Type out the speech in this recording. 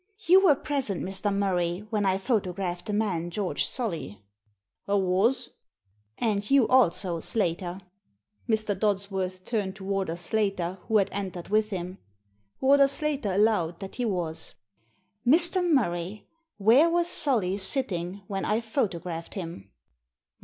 "You were present, Mr. Murray, when I photographed the man George Solly?" " I was." " And you also. Slater ?" Mr. Dodsworth turned to Warder Slater, who had entered with him. Warder Slater allowed that he was. "Mr. Murray, where was Solly sitting when I photographed him?"